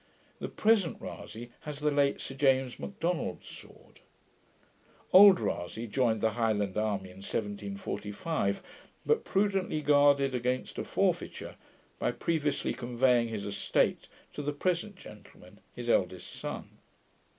The present Rasay has the late Sir James Macdonald's sword. Old Rasay joined the Highland army in 1745, but prudently guarded against a forfeiture, by previously conveying his estate to the present gentleman, his eldest son.